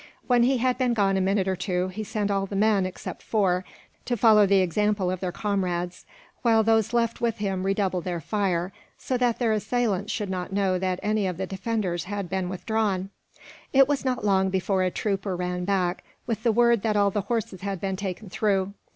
When he had been gone a minute or two, he sent all the men, except four, to follow the example of their comrades; while those left with him redoubled their fire, so that their assailants should not know that any of the defenders had been withdrawn. It was not long before a trooper ran back, with the word that all the horses had been taken through.